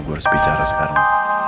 gue harus bicara sekarang